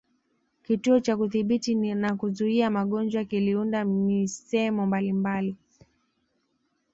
Kituo cha Kudhibiti na Kuzuia magonjwa kiliunda misemo mbalimbali